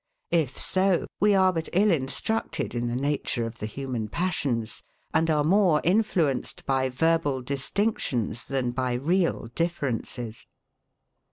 If so, we are but ill instructed in the nature of the human passions, and are more influenced by verbal distinctions than by real differences.